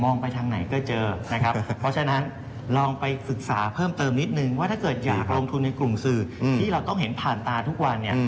ไปทางไหนก็เจอนะครับเพราะฉะนั้นลองไปศึกษาเพิ่มเติมนิดนึงว่าถ้าเกิดอยากลงทุนในกลุ่มสื่อที่เราต้องเห็นผ่านตาทุกวันเนี่ย